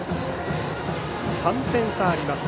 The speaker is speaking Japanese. ３点差あります。